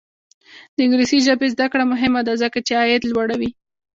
د انګلیسي ژبې زده کړه مهمه ده ځکه چې عاید لوړوي.